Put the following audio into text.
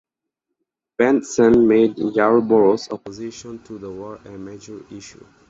Bentsen made Yarborough's opposition to the war a major issue.